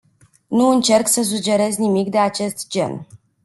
Nu încerc să sugerez nimic de acest gen.